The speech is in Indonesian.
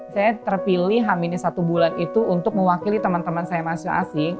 saya terpilih h satu bulan itu untuk mewakili teman teman saya mahasiswa asing